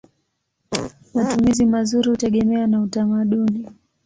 Matumizi mazuri hutegemea na utamaduni.